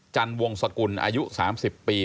จันวงสกุลอายุ๓๐ปี